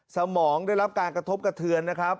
สมองได้รับการกระทบกระเทือนนะครับ